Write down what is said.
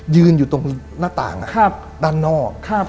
ยืนอยู่ตรงหน้าต่างด้านนอก